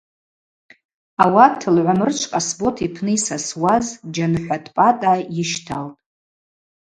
Ауат Лгӏвамрычв Къасбот йпны, йсасуаз Джьанхӏватӏ Патӏа йыщталтӏ.